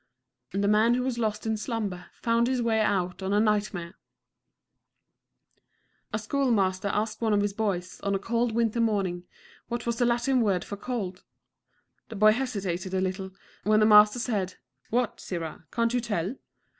The man who was lost in slumber found his way out on a nightmare. A school master asked one of his boys, on a cold winter morning, what was the Latin word for cold. The boy hesitated a little, when the master said, "What, sirrah, can't you tell?"